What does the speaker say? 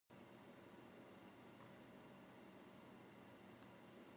逐步展示過程